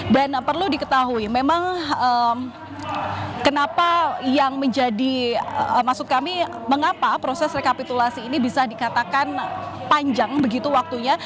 dan perlu diketahui memang kenapa yang menjadi maksud kami mengapa proses rekapitulasi ini bisa dikatakan panjang begitu waktunya